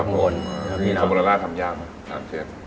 คาร์โบนาล่าทำยากไหมอาร์เซ็นต์